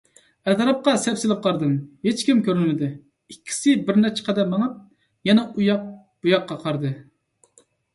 ئەتراپقا سەپسېلىپ قارىدى، ھېچكىم كۆرۈنمىدى، ئىككىسى بىرنەچچە قەدەم مېڭىپ، يەنە ئۇياق - بۇياققا قارىدى.